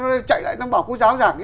rồi chạy lại nó bảo cô giáo giảng